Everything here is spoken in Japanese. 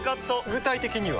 具体的には？